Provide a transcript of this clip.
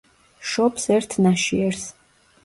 შობს ერთ ნაშიერს.